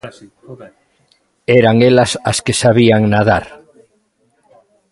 Eran elas as que sabían nadar.